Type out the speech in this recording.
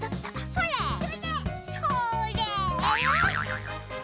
それ！